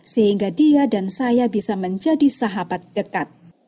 sehingga dia dan saya bisa menjadi sahabat dekat